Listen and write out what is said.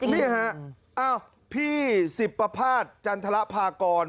นี่ฮะพี่สิบประพาทจันทรพากร